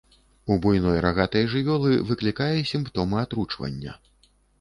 У буйной рагатай жывёлы выклікае сімптомы атручвання.